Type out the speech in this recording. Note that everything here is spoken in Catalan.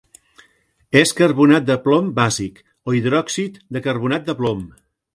És carbonat de plom bàsic o hidròxid de carbonat de plom.